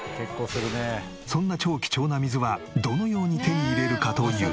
そんな超貴重な水はどのように手に入れるかというと。